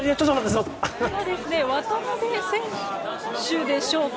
渡邊選手でしょうか。